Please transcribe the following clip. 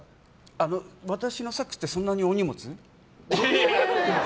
あの私のサックスってそんなにお荷物？